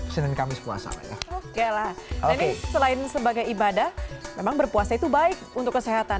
senin kamis puasa oke lah ini selain sebagai ibadah memang berpuasa itu baik untuk kesehatan